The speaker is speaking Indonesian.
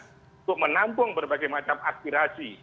untuk menampung berbagai macam aspirasi